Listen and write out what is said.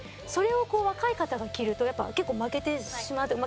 それを若い方が着るとやっぱり結構負けてしまう。